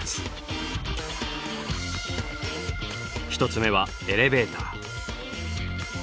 １つ目はエレベーター。